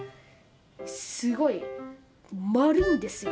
すごい丸いんですよ